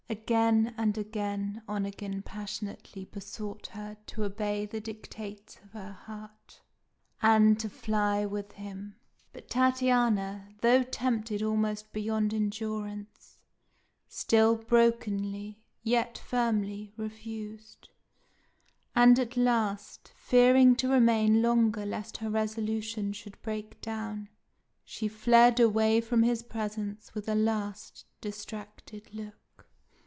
Again and again Onegin passionately besought her to obey the dictates of her heart, and to fly with him; but Tatiana, though tempted almost beyond endurance, still brokenly, yet firmly, refused, and at last, fearing to remain longer lest her resolution should break down, she fled away from his presence with a last distracted look.